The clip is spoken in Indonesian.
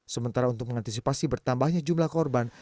sementara untuk mengantisipasi bertambahnya jumlah korban